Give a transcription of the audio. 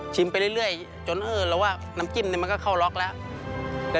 ชิมไปเรื่อยจนเราว่าน้ำจิ้มนี่มันก็เข้าล็อคแล้ว